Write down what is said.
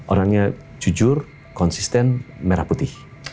orangnya jujur konsisten merah putih